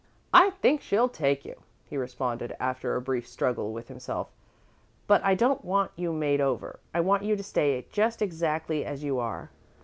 "I think she'll take you," he responded, after a brief struggle with himself, "but I don't want you made over. I want you to stay just exactly as you are.